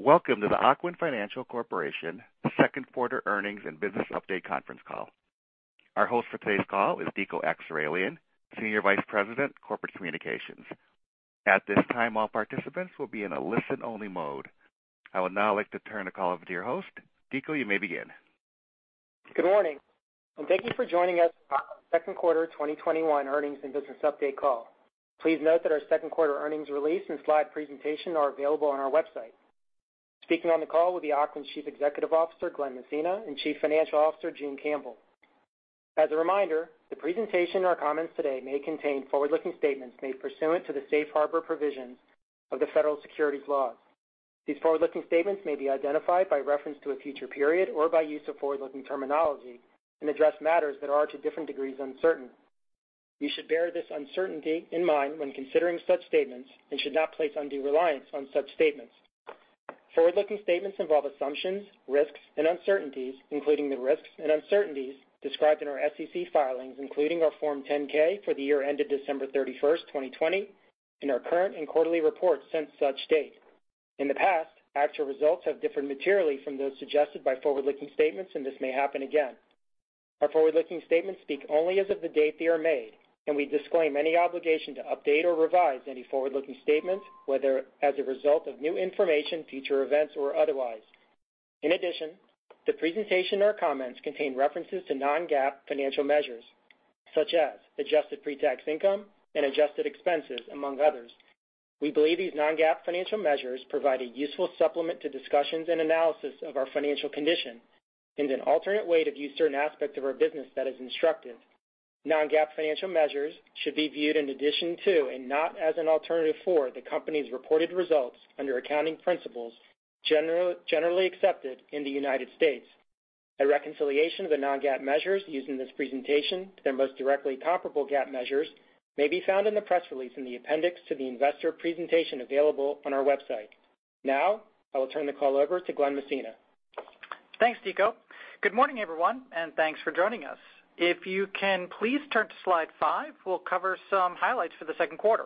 Welcome to the Ocwen Financial Corporation second quarter earnings and business update conference call. Our host for today's call is Dico Akseraylian, Senior Vice President, Corporate Communications. At this time, all participants will be in a listen-only mode. I would now like to turn the call over to your host. Dico, you may begin. Good morning, and thank you for joining us for our second quarter 2021 earnings and business update call. Please note that our second quarter earnings release and slide presentation are available on our website. Speaking on the call will be Ocwen's Chief Executive Officer, Glen Messina, and Chief Financial Officer, June Campbell. As a reminder, the presentation or comments today may contain forward-looking statements made pursuant to the safe harbor provisions of the federal securities laws. These forward-looking statements may be identified by reference to a future period or by use of forward-looking terminology and address matters that are to different degrees uncertain. You should bear this uncertainty in mind when considering such statements and should not place undue reliance on such statements. Forward-looking statements involve assumptions, risks, and uncertainties, including the risks and uncertainties described in our SEC filings, including our Form 10-K for the year ended December 31st, 2020, and our current and quarterly reports since such date. In the past, actual results have differed materially from those suggested by forward-looking statements, and this may happen again. Our forward-looking statements speak only as of the date they are made, and we disclaim any obligation to update or revise any forward-looking statements, whether as a result of new information, future events, or otherwise. In addition, the presentation or comments contain references to Non-GAAP financial measures, such as adjusted pre-tax income and adjusted expenses, among others. We believe these Non-GAAP financial measures provide a useful supplement to discussions and analysis of our financial condition and an alternate way to view certain aspects of our business that is instructive. Non-GAAP financial measures should be viewed in addition to and not as an alternative for the company's reported results under accounting principles generally accepted in the United States. A reconciliation of the Non-GAAP measures used in this presentation to their most directly comparable GAAP measures may be found in the press release in the appendix to the investor presentation available on our website. Now, I will turn the call over to Glen Messina. Thanks, Dico. Good morning, everyone, and thanks for joining us. If you can please turn to slide five, we'll cover some highlights for the second quarter.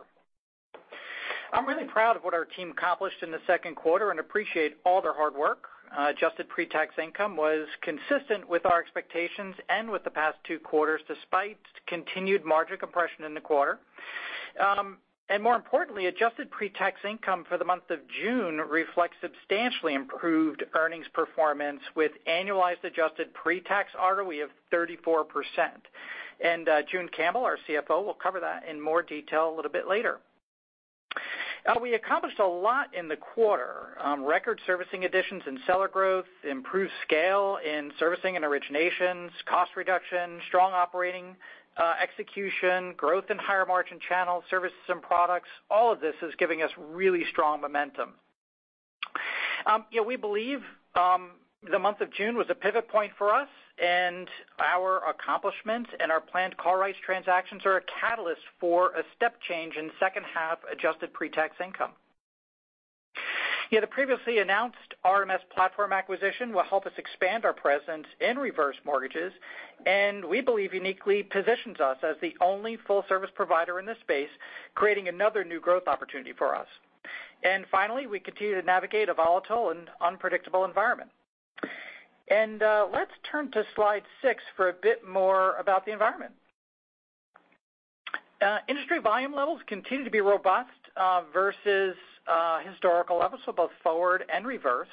I'm really proud of what our team accomplished in the second quarter and appreciate all their hard work. adjusted pre-tax income was consistent with our expectations and with the past two quarters, despite continued margin compression in the quarter. More importantly, adjusted pre-tax income for the month of June reflects substantially improved earnings performance with annualized adjusted pre-tax ROE of 34%. June Campbell, our CFO, will cover that in more detail a little bit later. We accomplished a lot in the quarter. Record servicing additions and seller growth, improved scale in servicing and originations, cost reduction, strong operating execution, growth in higher-margin channel services and products. All of this is giving us really strong momentum. We believe the month of June was a pivot point for us, and our accomplishments and our planned call rights transactions are a catalyst for a step change in second-half adjusted pre-tax income. The previously announced RMS platform acquisition will help us expand our presence in reverse mortgages, and we believe uniquely positions us as the only full-service provider in this space, creating another new growth opportunity for us. Finally, we continue to navigate a volatile and unpredictable environment. Let's turn to slide six for a bit more about the environment. Industry volume levels continue to be robust versus historical levels for both forward and reverse.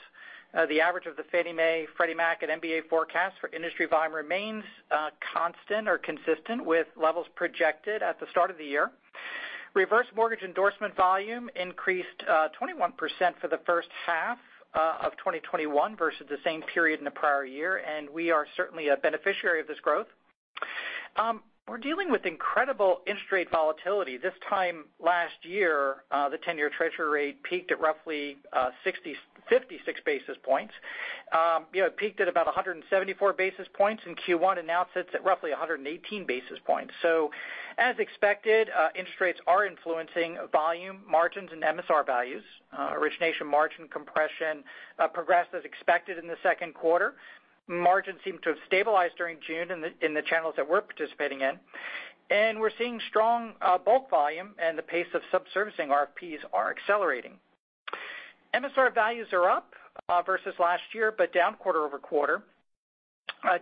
The average of the Fannie Mae, Freddie Mac, and MBA forecast for industry volume remains constant or consistent with levels projected at the start of the year. Reverse mortgage endorsement volume increased 21% for the first half of 2021 versus the same period in the prior year, and we are certainly a beneficiary of this growth. We're dealing with incredible interest rate volatility. This time last year, the 10-year Treasury rate peaked at roughly 56 basis points. It peaked at about 174 basis points in Q1, and now sits at roughly 118 basis points. As expected, interest rates are influencing volume margins and MSR values. Origination margin compression progressed as expected in the second quarter. Margins seem to have stabilized during June in the channels that we're participating in. We're seeing strong bulk volume and the pace of sub-servicing RFPs are accelerating. MSR values are up versus last year, but down quarter-over-quarter.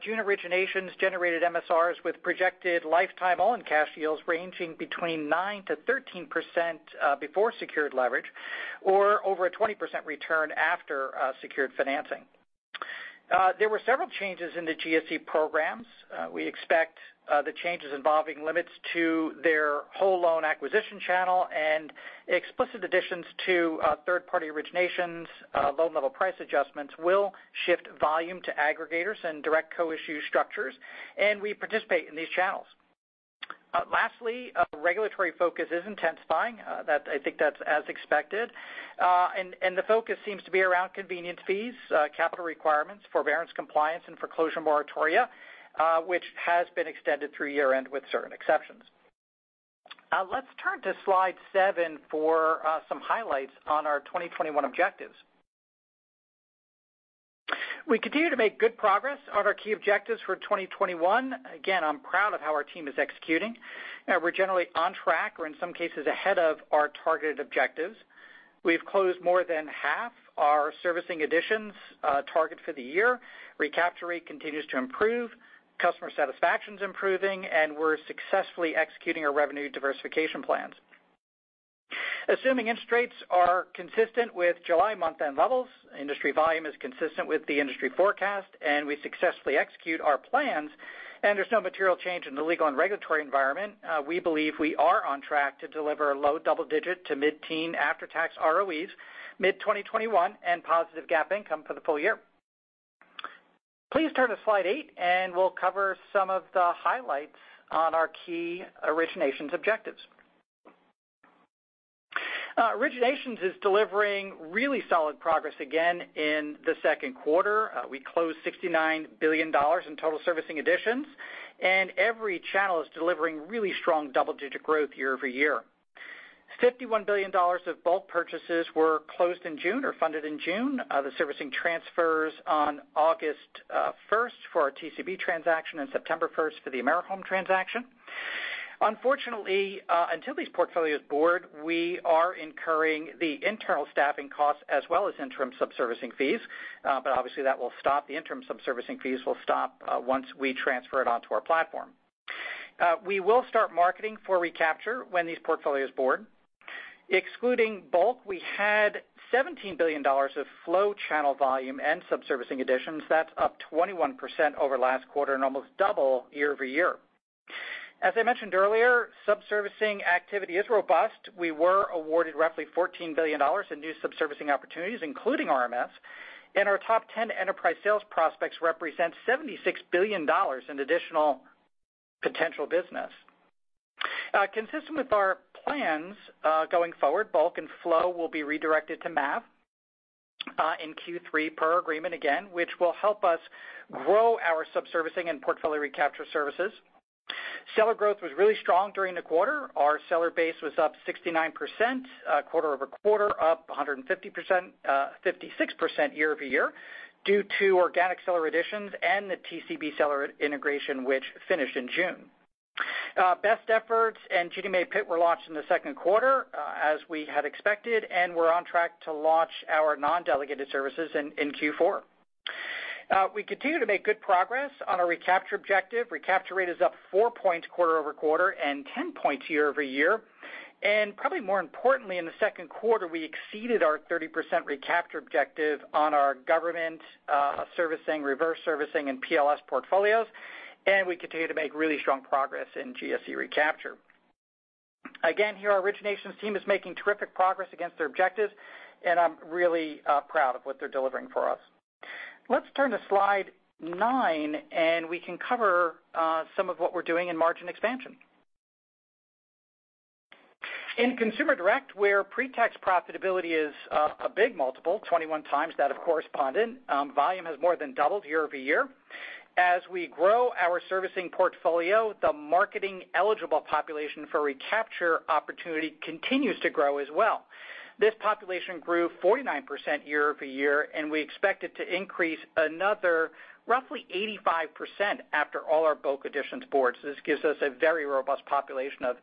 June originations generated MSRs with projected lifetime all-in cash yields ranging between 9%-13% before secured leverage or over a 20% return after secured financing. There were several changes in the GSE programs. We expect the changes involving limits to their whole loan acquisition channel and explicit additions to third-party originations. Loan-level price adjustments will shift volume to aggregators and direct co-issue structures, and we participate in these channels. Lastly, regulatory focus is intensifying. I think that's as expected. The focus seems to be around convenience fees, capital requirements, forbearance compliance, and foreclosure moratoria which has been extended through year-end with certain exceptions. Let's turn to slide seven for some highlights on our 2021 objectives. We continue to make good progress on our key objectives for 2021. Again, I'm proud of how our team is executing. We're generally on track, or in some cases, ahead of our targeted objectives. We've closed more than half our servicing additions target for the year. Recapture rate continues to improve. Customer satisfaction's improving, and we're successfully executing our revenue diversification plans. Assuming interest rates are consistent with July month-end levels, industry volume is consistent with the industry forecast, and we successfully execute our plans, and there's no material change in the legal and regulatory environment, we believe we are on track to deliver low double-digit to mid-teen after-tax ROEs mid-2021 and positive GAAP income for the full year. Please turn to slide eight, and we'll cover some of the highlights on our key originations objectives. Originations is delivering really solid progress again in the second quarter. We closed $69 billion in total servicing additions, and every channel is delivering really strong double-digit growth year-over-year. $51 billion of bulk purchases were closed in June or funded in June. The servicing transfers on August 1st for our TCB transaction and September 1st for the AmeriHome transaction. Unfortunately, until these portfolios board, we are incurring the internal staffing costs as well as interim subservicing fees. Obviously, that will stop. The interim subservicing fees will stop once we transfer it onto our platform. We will start marketing for recapture when these portfolios board. Excluding bulk, we had $17 billion of flow channel volume and subservicing additions. That's up 21% over last quarter and almost double year-over-year. As I mentioned earlier, subservicing activity is robust. We were awarded roughly $14 billion in new subservicing opportunities, including RMS, and our top 10 enterprise sales prospects represent $76 billion in additional potential business. Consistent with our plans going forward, bulk and flow will be redirected to MAV in Q3 per our agreement again, which will help us grow our subservicing and portfolio recapture services. Seller growth was really strong during the quarter. Our seller base was up 69% quarter-over-quarter, up 156% year-over-year due to organic seller additions and the TCB seller integration, which finished in June. Best efforts and Ginnie Mae PIT were launched in the second quarter as we had expected, and we're on track to launch our non-delegated services in Q4. We continue to make good progress on our recapture objective. Recapture rate is up four points quarter-over-quarter and 10 points year-over-year. Probably more importantly, in the second quarter, we exceeded our 30% recapture objective on our government servicing, reverse servicing, and PLS portfolios, and we continue to make really strong progress in GSE recapture. Again, here, our originations team is making terrific progress against their objectives, and I'm really proud of what they're delivering for us. Let's turn to slide nine, and we can cover some of what we're doing in margin expansion. In consumer direct, where pre-tax profitability is a big multiple, 21x that of correspondent, volume has more than doubled year-over-year. As we grow our servicing portfolio, the marketing eligible population for recapture opportunity continues to grow as well. This population grew 49% year-over-year, and we expect it to increase another roughly 85% after all our bulk additions board. This gives us a very robust population of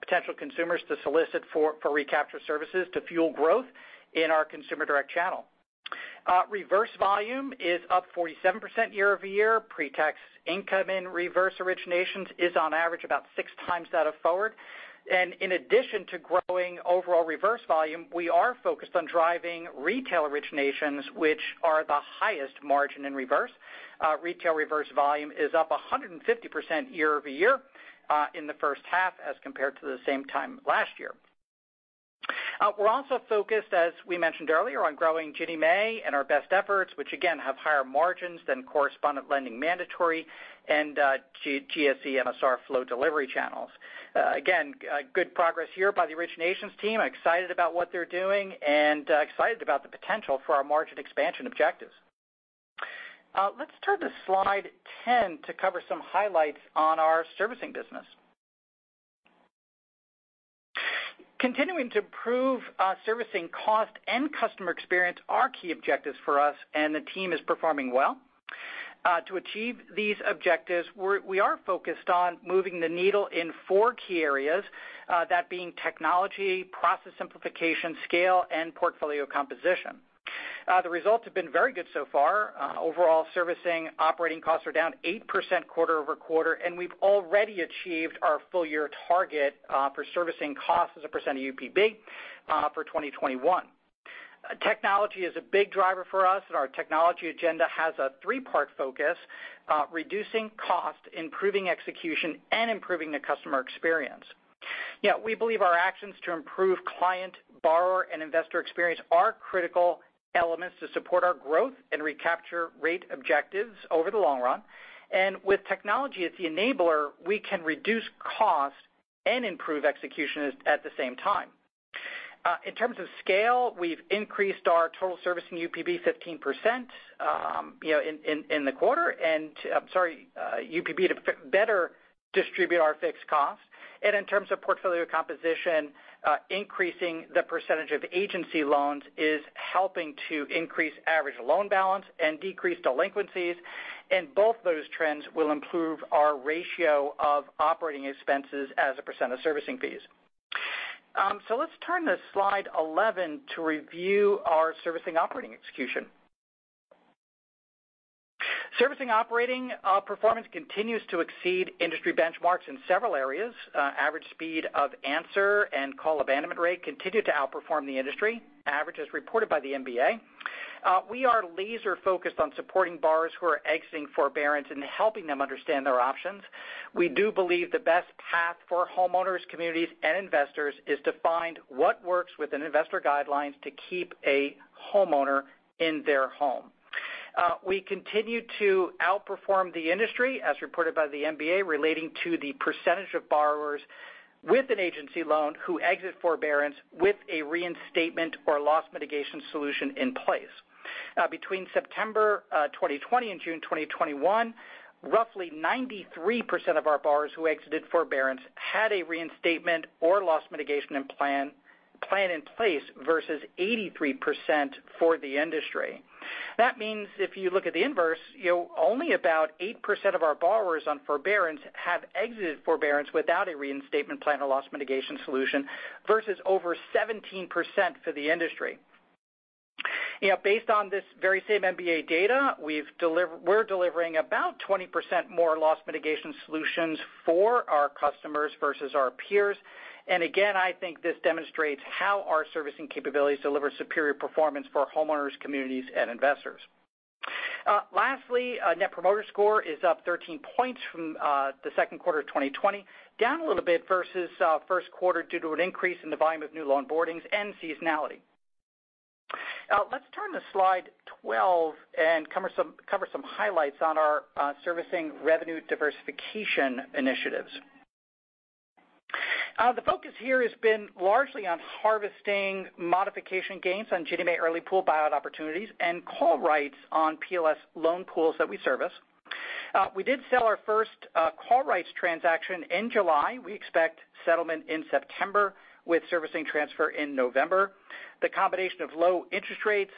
potential consumers to solicit for recapture services to fuel growth in our consumer direct channel. Reverse volume is up 47% year-over-year. Pre-tax income in reverse originations is on average about 6x that of forward. In addition to growing overall reverse volume, we are focused on driving retail originations which are the highest margin in reverse. Retail reverse volume is up 150% year-over-year in the first half as compared to the same time last year. We're also focused, as we mentioned earlier, on growing Ginnie Mae and our best efforts, which again, have higher margins than correspondent lending mandatory and GSE MSR flow delivery channels. Good progress here by the originations team. I'm excited about what they're doing and excited about the potential for our margin expansion objectives. Let's turn to slide 10 to cover some highlights on our servicing business. Continuing to improve servicing cost and customer experience are key objectives for us, and the team is performing well. To achieve these objectives, we are focused on moving the needle in four key areas. That being technology, process simplification, scale, and portfolio composition. The results have been very good so far. Overall servicing operating costs are down 8% quarter-over-quarter, and we've already achieved our full-year target for servicing costs as a % of UPB for 2021. Technology is a big driver for us, and our technology agenda has a three-part focus. Reducing cost, improving execution, and improving the customer experience. We believe our actions to improve client, borrower, and investor experience are critical elements to support our growth and recapture rate objectives over the long run. With technology as the enabler, we can reduce costs and improve execution at the same time. In terms of scale, we've increased our total servicing UPB 15% in the quarter, and I'm sorry, UPB to better distribute our fixed costs. In terms of portfolio composition, increasing the percentage of agency loans is helping to increase average loan balance and decrease delinquencies, and both those trends will improve our ratio of operating expenses as a percent of servicing fees. Let's turn to slide 11 to review our servicing operating execution. Servicing operating performance continues to exceed industry benchmarks in several areas. Average speed of answer and call abandonment rate continue to outperform the industry average as reported by the MBA. We are laser-focused on supporting borrowers who are exiting forbearance and helping them understand their options. We do believe the best path for homeowners, communities, and investors is to find what works within investor guidelines to keep a homeowner in their home. We continue to outperform the industry, as reported by the MBA, relating to the percentage of borrowers with an agency loan who exit forbearance with a reinstatement or loss mitigation solution in place. Between September 2020 and June 2021, roughly 93% of our borrowers who exited forbearance had a reinstatement or loss mitigation plan in place versus 83% for the industry. That means if you look at the inverse, only about 8% of our borrowers on forbearance have exited forbearance without a reinstatement plan or loss mitigation solution versus over 17% for the industry. Based on this very same MBA data, we're delivering about 20% more loss mitigation solutions for our customers versus our peers. Again, I think this demonstrates how our servicing capabilities deliver superior performance for homeowners, communities, and investors. Lastly, net promoter score is up 13 points from the second quarter of 2020. Down a little bit versus first quarter due to an increase in the volume of new loan boardings and seasonality. Let's turn to slide 12 and cover some highlights on our servicing revenue diversification initiatives. The focus here has been largely on harvesting modification gains on Ginnie Mae early pool buyout opportunities and call rights on PLS loan pools that we service. We did sell our first call rights transaction in July. We expect settlement in September with servicing transfer in November. The combination of low interest rates,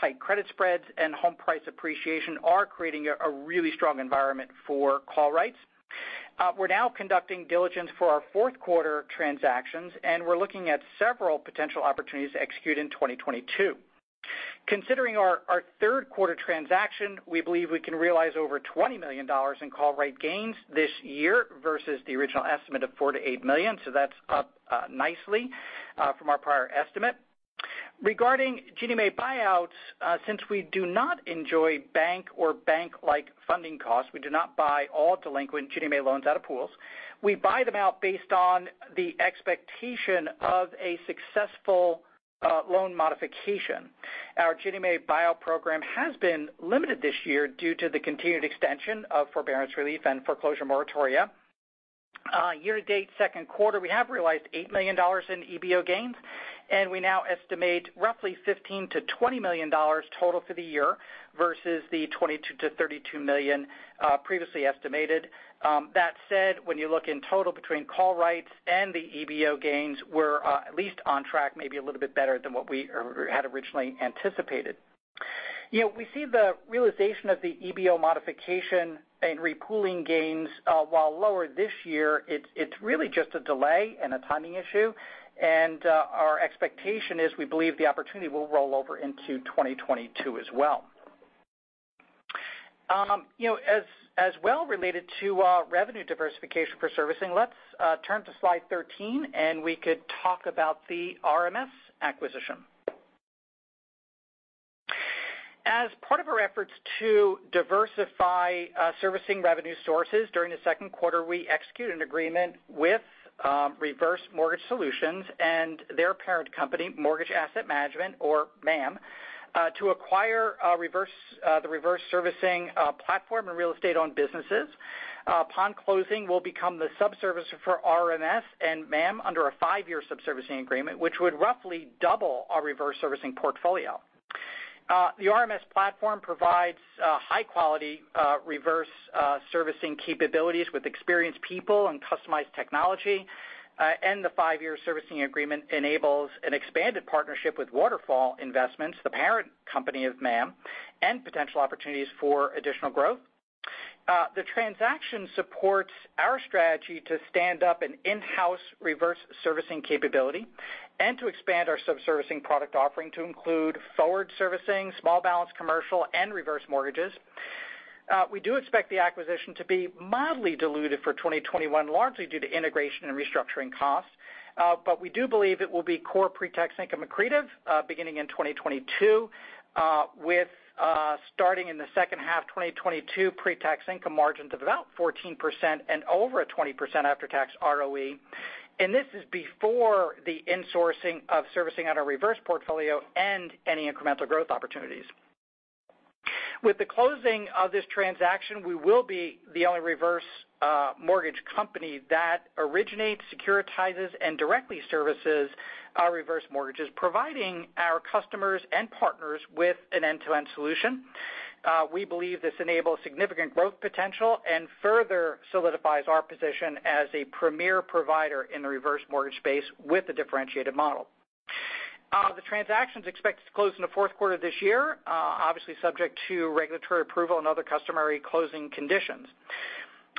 tight credit spreads, and home price appreciation are creating a really strong environment for call rights. We're now conducting diligence for our fourth quarter transactions, and we're looking at several potential opportunities to execute in 2022. Considering our third quarter transaction, we believe we can realize over $20 million in call right gains this year versus the original estimate of $4 million-$8 million. That's up nicely from our prior estimate. Regarding Ginnie Mae buyouts, since we do not enjoy bank or bank-like funding costs, we do not buy all delinquent Ginnie Mae loans out of pools. We buy them out based on the expectation of a successful loan modification. Our Ginnie Mae buyout program has been limited this year due to the continued extension of forbearance relief and foreclosure moratoria. Year to date, second quarter, we have realized $8 million in EBO gains, and we now estimate roughly $15 million-$20 million total for the year versus the $22 million-$32 million previously estimated. That said, when you look in total between call rights and the EBO gains, we're at least on track, maybe a little bit better than what we had originally anticipated. We see the realization of the EBO modification and re-pooling gains while lower this year. It's really just a delay and a timing issue, and our expectation is we believe the opportunity will roll over into 2022 as well. As well related to revenue diversification for servicing, let's turn to slide 13 and we could talk about the RMS acquisition. As part of our efforts to diversify servicing revenue sources during the second quarter, we executed an agreement with Reverse Mortgage Solutions and their parent company, Mortgage Assets Management, or MAM, to acquire the reverse servicing platform and real estate-owned businesses. Upon closing, we'll become the sub-servicer for RMS and MAM under a five-year sub-servicing agreement, which would roughly double our reverse servicing portfolio. The RMS platform provides high-quality reverse servicing capabilities with experienced people and customized technology. The five-year servicing agreement enables an expanded partnership with Waterfall Asset Management, the parent company of MAM, and potential opportunities for additional growth. The transaction supports our strategy to stand up an in-house reverse servicing capability and to expand our sub-servicing product offering to include forward servicing, small balance commercial, and reverse mortgages. We do expect the acquisition to be mildly dilutive for 2021, largely due to integration and restructuring costs. We do believe it will be core pre-tax income accretive beginning in 2022 with starting in the second half of 2022 pre-tax income margins of about 14% and over a 20% after-tax ROE. This is before the insourcing of servicing on our reverse portfolio and any incremental growth opportunities. With the closing of this transaction, we will be the only reverse mortgage company that originates, securitizes, and directly services our reverse mortgages, providing our customers and partners with an end-to-end solution. We believe this enables significant growth potential and further solidifies our position as a premier provider in the reverse mortgage space with a differentiated model. The transaction is expected to close in the 4th quarter of this year, obviously subject to regulatory approval and other customary closing conditions.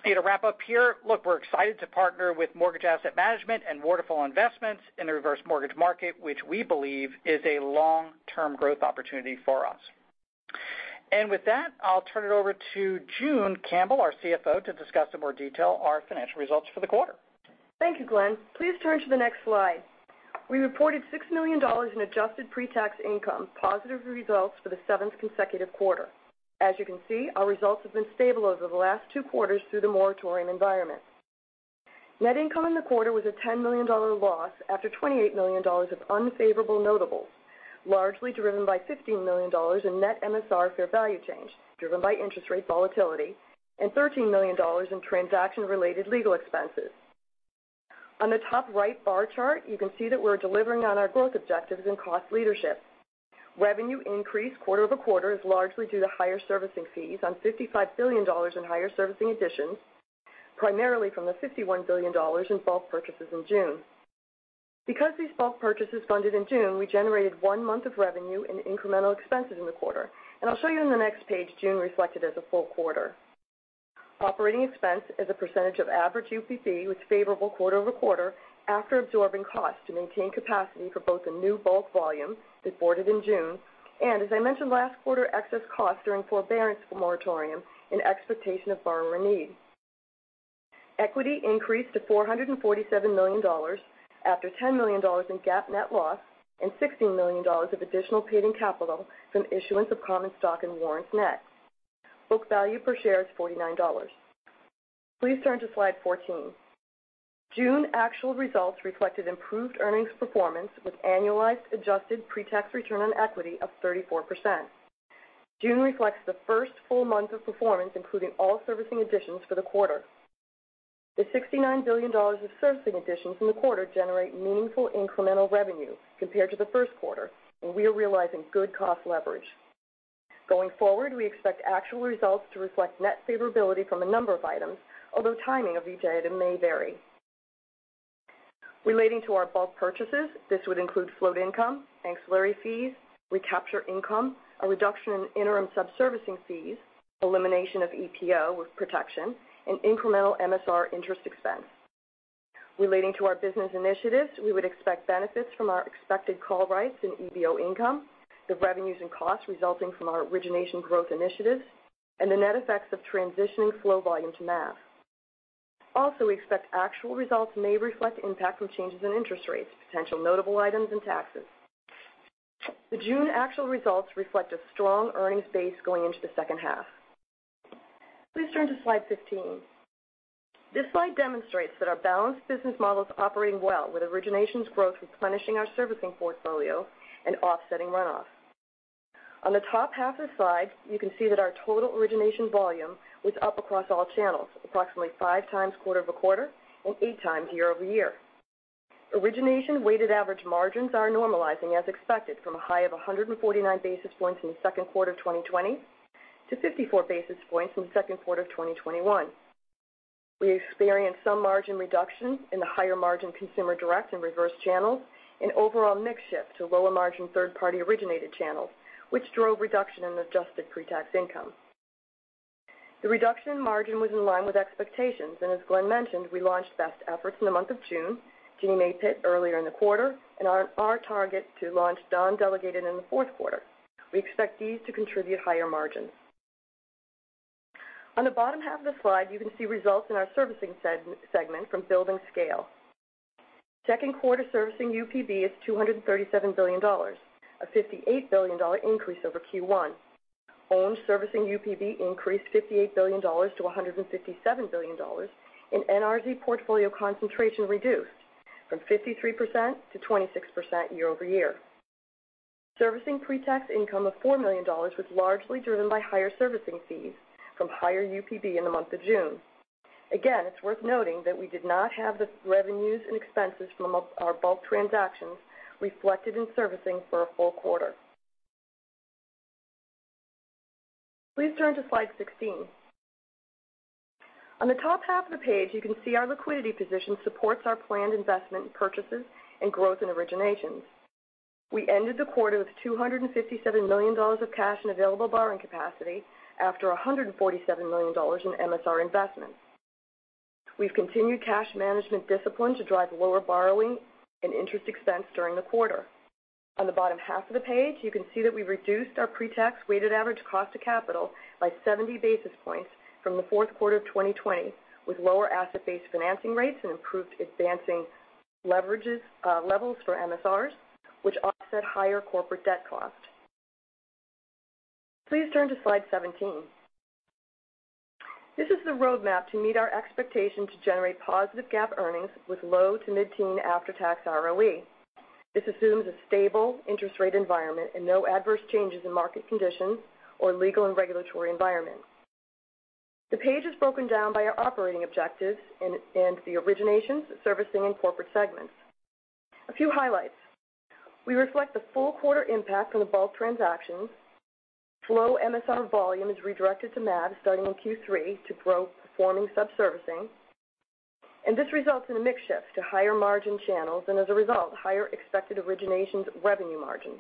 To wrap up here, look, we're excited to partner with Mortgage Assets Management and Waterfall Asset Management in the reverse mortgage market, which we believe is a long-term growth opportunity for us. With that, I'll turn it over to June Campbell, our CFO, to discuss in more detail our financial results for the quarter. Thank you, Glen. Please turn to the next slide. We reported $6 million in adjusted pre-tax income, positive results for the seventh consecutive quarter. As you can see, our results have been stable over the last two quarters through the moratorium environment. Net income in the quarter was a $10 million loss after $28 million of unfavorable notables, largely driven by $15 million in net MSR fair value change, driven by interest rate volatility, and $13 million in transaction-related legal expenses. On the top right bar chart, you can see that we're delivering on our growth objectives and cost leadership. Revenue increased quarter-over-quarter is largely due to higher servicing fees on $55 billion in higher servicing additions, primarily from the $51 billion in bulk purchases in June. Because these bulk purchases funded in June, we generated one month of revenue in incremental expenses in the quarter. I'll show you in the next page, June reflected as a full quarter. Operating expense as a percentage of average UPB was favorable quarter-over-quarter after absorbing costs to maintain capacity for both the new bulk volume reported in June, and as I mentioned last quarter, excess costs during foreclosure moratoria in expectation of borrower need. Equity increased to $447 million after $10 million in GAAP net loss and $16 million of additional paid-in capital from issuance of common stock and warrants net. Book value per share is $49. Please turn to slide 14. June actual results reflected improved earnings performance with annualized adjusted pre-tax return on equity of 34%. June reflects the first full month of performance, including all servicing additions for the quarter. The $69 billion of servicing additions in the quarter generate meaningful incremental revenue compared to the first quarter. We are realizing good cost leverage. Going forward, we expect actual results to reflect net favorability from a number of items, although timing of each item may vary. Relating to our bulk purchases, this would include float income, ancillary fees, recapture income, a reduction in interim subservicing fees, elimination of EPO with protection, and incremental MSR interest expense. Relating to our business initiatives, we would expect benefits from our expected call rights and EBO income, the revenues and costs resulting from our origination growth initiatives, and the net effects of transitioning flow volume to MAV. We expect actual results may reflect the impact from changes in interest rates, potential notable items, and taxes. The June actual results reflect a strong earnings base going into the second half. Please turn to slide 15. This slide demonstrates that our balanced business model is operating well, with originations growth replenishing our servicing portfolio and offsetting runoff. On the top half of the slide, you can see that our total origination volume was up across all channels, approximately five times quarter-over-quarter and eight times year-over-year. Origination weighted average margins are normalizing as expected from a high of 149 basis points in the second quarter of 2020 - 54 basis points in the second quarter of 2021. We experienced some margin reduction in the higher margin consumer direct and reverse channels, an overall mix shift to lower margin third-party originated channels, which drove reduction in adjusted pre-tax income. The reduction in margin was in line with expectations. As Glen mentioned, we launched best efforts in the month of June, GNMA PIT earlier in the quarter. Are on target to launch non-delegated in the fourth quarter. We expect these to contribute higher margins. On the bottom half of the slide, you can see results in our servicing segment from building scale. Second quarter servicing UPB is $237 billion, a $58 billion increase over Q1. Owned servicing UPB increased $58 billion - $157 billion. NR portfolio concentration reduced from 53% - 26% year-over-year. Servicing pre-tax income of $4 million was largely driven by higher servicing fees from higher UPB in the month of June. It's worth noting that we did not have the revenues and expenses from our bulk transactions reflected in servicing for a full quarter. Please turn to slide 16. On the top half of the page, you can see our liquidity position supports our planned investment purchases and growth in originations. We ended the quarter with $257 million of cash and available borrowing capacity after $147 million in MSR investments. We've continued cash management discipline to drive lower borrowing and interest expense during the quarter. On the bottom half of the page, you can see that we've reduced our pre-tax weighted average cost of capital by 70 basis points from the fourth quarter of 2020 with lower asset-based financing rates and improved advancing leverage levels for MSRs, which offset higher corporate debt cost. Please turn to slide 17. This is the roadmap to meet our expectation to generate positive GAAP earnings with low to mid-teen after-tax ROE. This assumes a stable interest rate environment and no adverse changes in market conditions or legal and regulatory environment. The page is broken down by our operating objectives and the originations, servicing, and corporate segments. A few highlights. We reflect the full quarter impact on the bulk transactions. Flow MSR volume is redirected to MAV starting in Q3 to grow performing subservicing. This results in a mix shift to higher margin channels and as a result, higher expected originations revenue margin.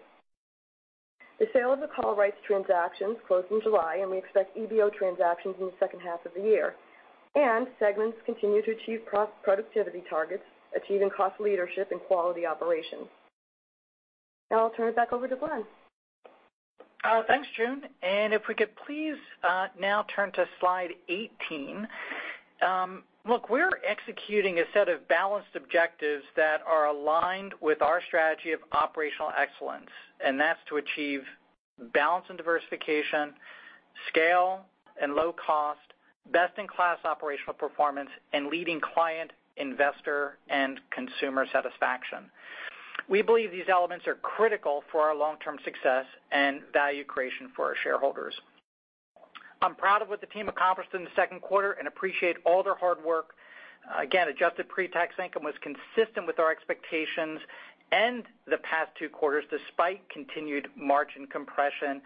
The sale of the call rights transactions closed in July, and we expect EBO transactions in the second half of the year. Segments continue to achieve productivity targets, achieving cost leadership and quality operations. Now I'll turn it back over to Glen. Thanks, June. If we could please now turn to slide 18. Look, we're executing a set of balanced objectives that are aligned with our strategy of operational excellence, and that's to achieve balance and diversification, scale and low cost, best-in-class operational performance, and leading client, investor, and consumer satisfaction. We believe these elements are critical for our long-term success and value creation for our shareholders. I'm proud of what the team accomplished in the second quarter and appreciate all their hard work. Again, adjusted pre-tax income was consistent with our expectations and the past two quarters, despite continued margin compression.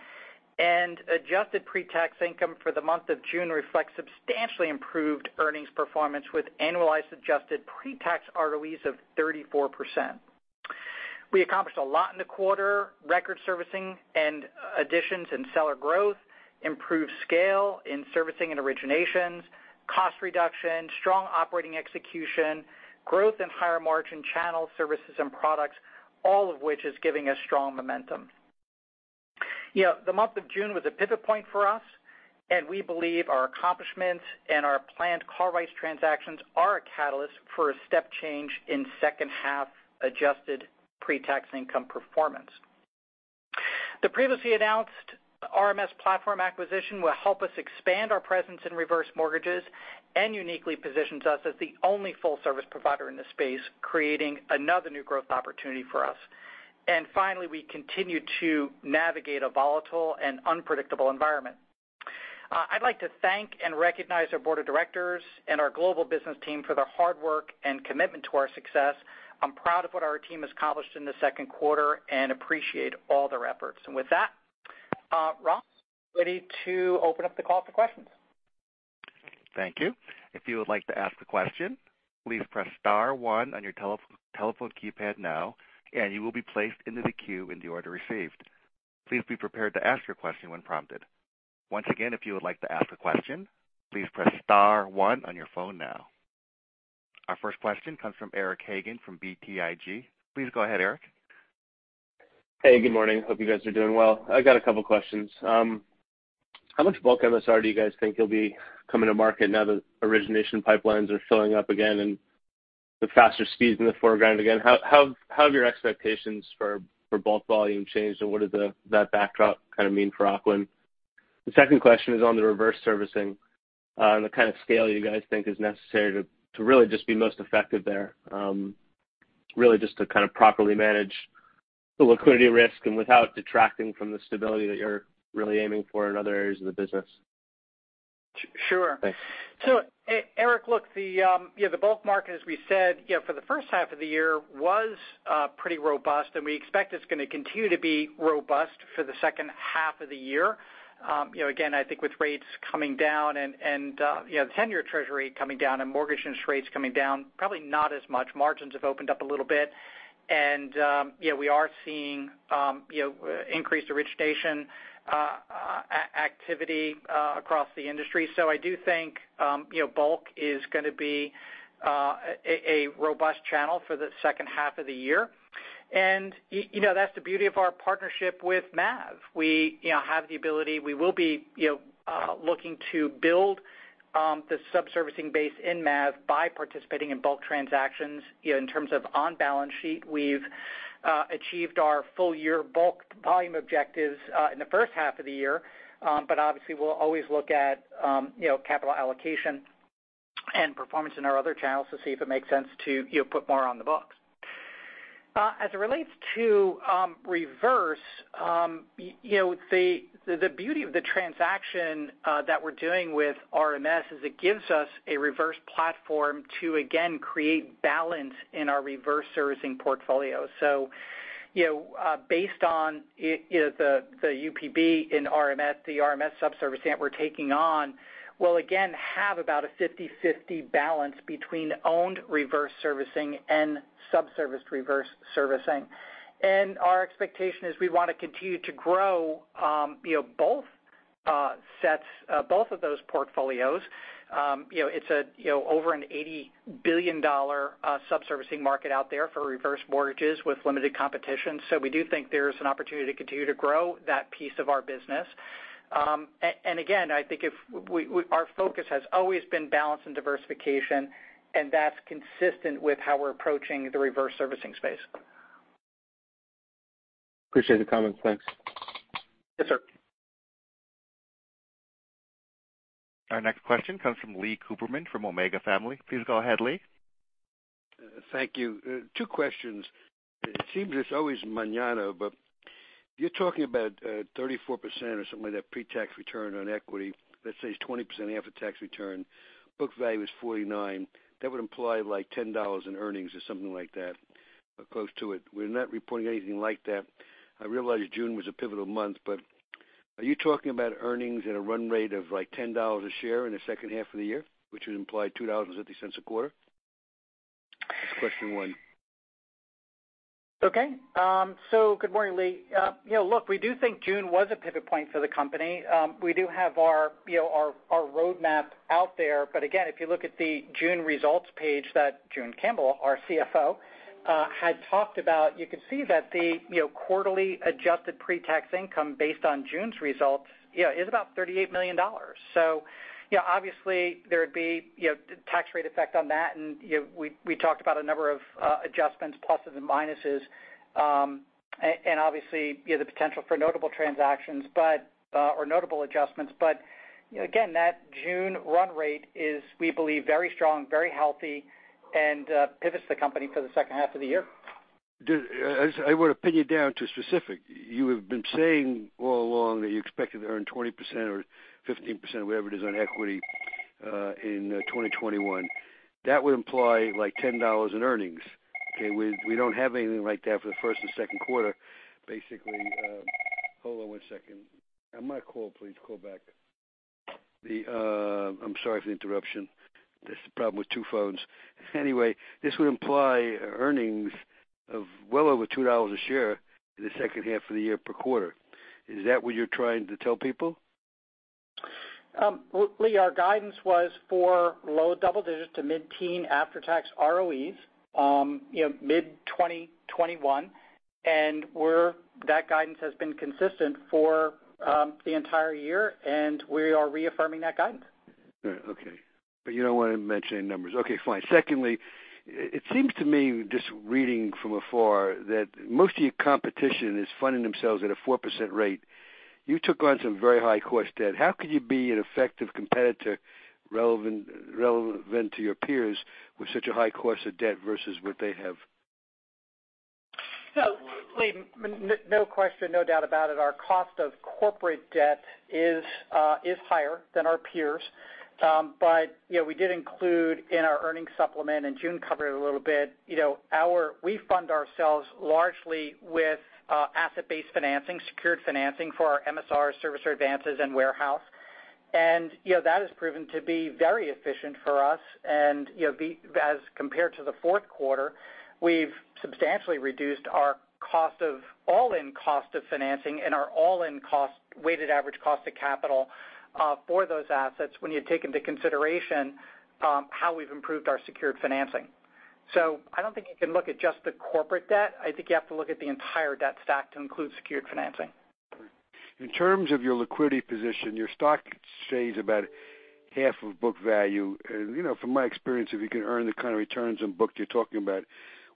Adjusted pre-tax income for the month of June reflects substantially improved earnings performance, with annualized adjusted pre-tax ROEs of 34%. We accomplished a lot in the quarter. Record servicing and additions in seller growth, improved scale in servicing and originations, cost reduction, strong operating execution, growth in higher margin channel services and products, all of which is giving us strong momentum. The month of June was a pivot point for us, and we believe our accomplishments and our planned call rights transactions are a catalyst for a step change in second half adjusted pre-tax income performance. The previously announced RMS platform acquisition will help us expand our presence in reverse mortgages and uniquely positions us as the only full-service provider in this space, creating another new growth opportunity for us. Finally, we continue to navigate a volatile and unpredictable environment. I'd like to thank and recognize our board of directors and our global business team for their hard work and commitment to our success. I'm proud of what our team accomplished in the second quarter and appreciate all their efforts. With that, Rob, ready to open up the call for questions. Thank you. If you would like to ask a question, please press *one on your telephone keypad now, and you will be placed into the queue in the order received. Please be prepared to ask your question when prompted. Once again, if you would like to ask a question, please press *one on your phone now. Our first question comes from Eric Hagen from BTIG. Please go ahead, Eric. Hey, good morning. Hope you guys are doing well. I've got a couple questions. How much bulk MSR do you guys think you'll be coming to market now that origination pipelines are filling up again and with faster speeds in the foreground again? How have your expectations for bulk volume changed, and what does that backdrop kind of mean for Ocwen? The second question is on the reverse servicing and the kind of scale you guys think is necessary to really just be most effective there, really just to kind of properly manage the liquidity risk and without detracting from the stability that you're really aiming for in other areas of the business. Sure. Thanks. Eric, look, the bulk market, as we said, for the first half of the year was pretty robust, and we expect it's going to continue to be robust for the second half of the year. Again, I think with rates coming down and the 10-year treasury coming down and mortgage insurance rates coming down, probably not as much. Margins have opened up a little bit. We are seeing increased origination activity across the industry. I do think bulk is going to be a robust channel for the second half of the year. That's the beauty of our partnership with MAV. We have the ability. We will be looking to build the subservicing base in MAV by participating in bulk transactions. In terms of on-balance sheet, we've achieved our full year bulk volume objectives in the first half of the year. Obviously, we'll always look at capital allocation and performance in our other channels to see if it makes sense to put more on the books. As it relates to reverse, the beauty of the transaction that we're doing with RMS is it gives us a reverse platform to again create balance in our reverse servicing portfolio. Based on the UPB in RMS, the RMS subservice that we're taking on will again have about a 50/50 balance between owned reverse servicing and subserviced reverse servicing. Our expectation is we want to continue to grow both of those portfolios. It's over an $80 billion subservicing market out there for reverse mortgages with limited competition. We do think there's an opportunity to continue to grow that piece of our business. Again, I think our focus has always been balance and diversification, and that's consistent with how we're approaching the reverse servicing space. Appreciate the comments. Thanks. Yes, sir. Our next question comes from Leon Cooperman from Omega Family Office. Please go ahead, Leon. Thank you. Two questions. It seems it's always mañana, but you're talking about 34% or something like that, pre-tax return on equity. Let's say 20% after tax return. Book value is $49. That would imply $10 in earnings or something like that, or close to it. We're not reporting anything like that. I realize June was a pivotal month, but are you talking about earnings at a run rate of $10 a share in the second half of the year, which would imply $2.50 a quarter? That's question one. Okay. Good morning, Leon Cooperman. Look, we do think June was a pivot point for the company. We do have our roadmap out there. Again, if you look at the June results page that June Campbell, our CFO, had talked about, you could see that the quarterly adjusted pre-tax income based on June's results is about $38 million. Obviously, there would be tax rate effect on that, and we talked about a number of adjustments, pluses and minuses. Obviously, the potential for notable transactions or notable adjustments. Again, that June run rate is, we believe, very strong, very healthy, and pivots the company for the second half of the year. I want to pin you down to specific. You have been saying all along that you expected to earn 20% or 15%, whatever it is, on equity in 2021. That would imply $10 in earnings. Okay. We don't have anything like that for the 1st and 2nd quarter. Basically, hold on one second. I might call, please call back. I'm sorry for the interruption. That's the problem with two phones. This would imply earnings of well over $2 a share in the second half of the year per quarter. Is that what you're trying to tell people? Lee, our guidance was for low double digits to mid-teen after-tax ROEs mid-2021, and that guidance has been consistent for the entire year, and we are reaffirming that guidance. All right. Okay. You don't want to mention any numbers. Okay, fine. Secondly, it seems to me, just reading from afar, that most of your competition is funding themselves at a 4% rate. You took on some very high cost debt. How could you be an effective competitor relevant to your peers with such a high cost of debt versus what they have? Leon Cooperman, no question, no doubt about it, our cost of corporate debt is higher than our peers'. We did include in our earnings supplement, and June covered it a little bit. We fund ourselves largely with asset-based financing, secured financing for our MSR servicer advances and warehouse. That has proven to be very efficient for us. As compared to the fourth quarter, we've substantially reduced our all-in cost of financing and our all-in weighted average cost of capital for those assets when you take into consideration how we've improved our secured financing. I don't think you can look at just the corporate debt. I think you have to look at the entire debt stack to include secured financing. In terms of your liquidity position, your stock trades about half of book value. From my experience, if you can earn the kind of returns on book you're talking about,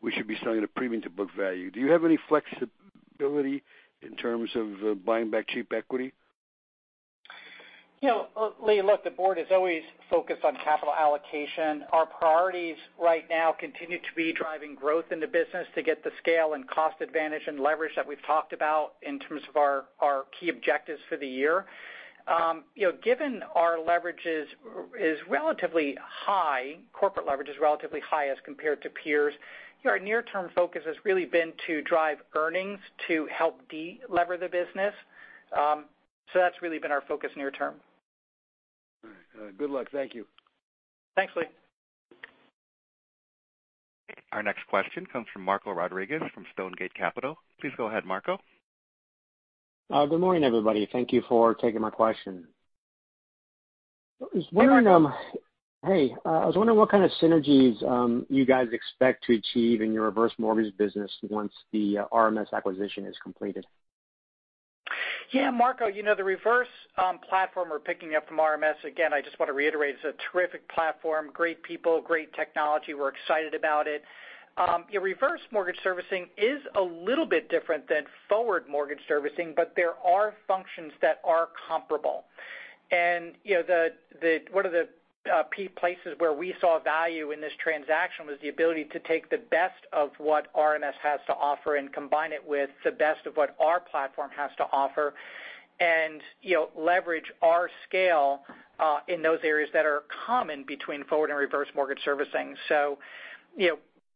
we should be selling a premium to book value. Do you have any flexibility in terms of buying back cheap equity? Lee, look, the board is always focused on capital allocation. Our priorities right now continue to be driving growth in the business to get the scale and cost advantage and leverage that we've talked about in terms of our key objectives for the year. Given our leverage is relatively high, corporate leverage is relatively high as compared to peers, our near-term focus has really been to drive earnings to help de-lever the business. That's really been our focus near term. All right. Good luck. Thank you. Thanks, Leon. Our next question comes from Marco Rodriguez from Stonegate Capital. Please go ahead, Marco. Good morning, everybody. Thank you for taking my question. Hey, Marco. Hey. I was wondering what kind of synergies you guys expect to achieve in your reverse mortgage business once the RMS acquisition is completed? Yeah, Marco. The reverse platform we're picking up from RMS, again, I just want to reiterate, it's a terrific platform, great people, great technology. Reverse mortgage servicing is a little bit different than forward mortgage servicing, but there are functions that are comparable. One of the places where we saw value in this transaction was the ability to take the best of what RMS has to offer and combine it with the best of what our platform has to offer and leverage our scale in those areas that are common between forward and reverse mortgage servicing.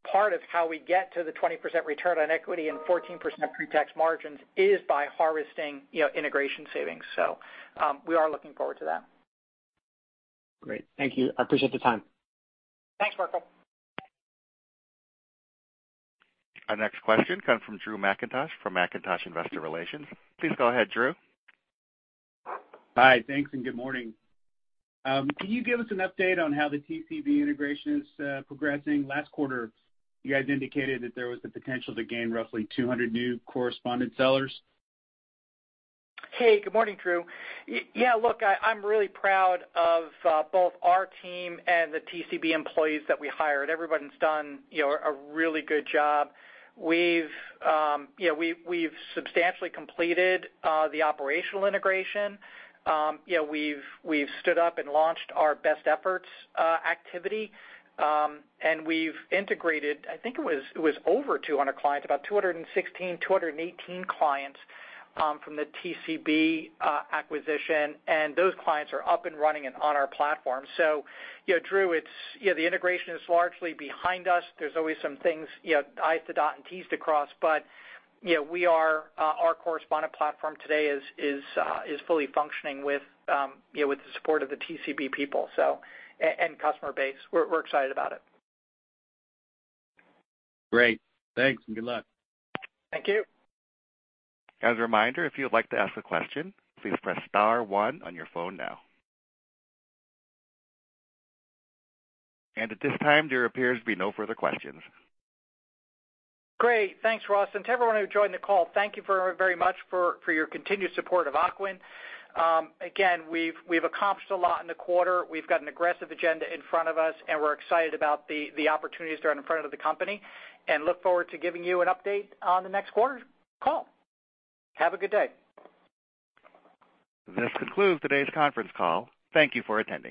Part of how we get to the 20% return on equity and 14% pre-tax margins is by harvesting integration savings. We are looking forward to that. Great. Thank you. I appreciate the time. Thanks, Marco. Our next question comes from Drew Mackintosh from Mackintosh Investor Relations. Please go ahead, Drew. Hi. Thanks, and good morning. Can you give us an update on how the TCB integration is progressing? Last quarter, you guys indicated that there was the potential to gain roughly 200 new correspondent sellers. Hey, good morning, Drew. Yeah, look, I'm really proud of both our team and the TCB employees that we hired. Everybody's done a really good job. We've substantially completed the operational integration. We've stood up and launched our best efforts activity. We've integrated, I think it was over 200 clients, about 216, 218 clients from the TCB acquisition, and those clients are up and running and on our platform. Drew, the integration is largely behind us. There's always some things, i's to dot and t's to cross, but our correspondent platform today is fully functioning with the support of the TCB people and customer base. We're excited about it. Great. Thanks, and good luck. Thank you. As a reminder, if you would like to ask a question, please press *one on your phone now. At this time, there appears to be no further questions. Great. Thanks, Ross. To everyone who joined the call, thank you very much for your continued support of Ocwen. Again, we've accomplished a lot in the quarter. We've got an aggressive agenda in front of us, and we're excited about the opportunities that are in front of the company and look forward to giving you an update on the next quarter's call. Have a good day. This concludes today's conference call. Thank you for attending.